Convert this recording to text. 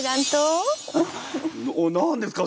え何ですか？